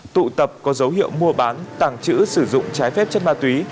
tụ tập có dấu hiệu mua bán tàng trữ sử dụng trái phép chất ma túy